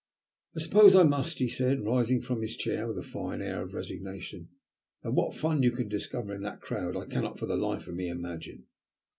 "I suppose I must," he said, rising from his chair with a fine air of resignation. "Though what fun you can discover in that crowd I cannot for the life of me imagine."